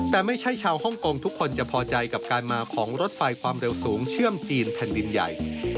แต่ไม่ใช่ชาวฮ่องกงทุกคนจะพอใจกับการมาของรถไฟความเร็วสูงเชื่อมจีนแผ่นดินใหญ่